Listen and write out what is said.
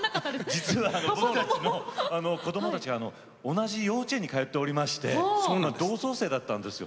僕たちの子供が同じ幼稚園に通っておりまして同窓生だったんですよ。